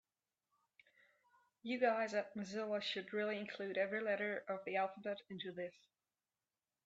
You guys at Mozilla should really include every letter of the alphabet into this.